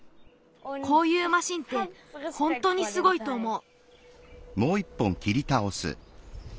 こういうマシンってほんとにすごいとおもう。